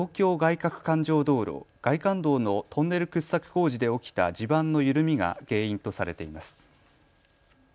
かく環状道路・外環道のトンネル掘削工事で起きた地盤の緩みが原因とされています。